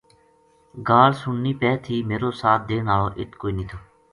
گال سننی پے تھی میرو ساتھ دین ہالو اِت کوئی نیہہ تھو